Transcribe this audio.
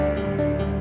ate bisa menikah